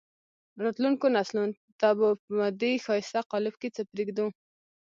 راتلونکو نسلونو ته به په دې ښایسته قالب کې څه پرېږدو.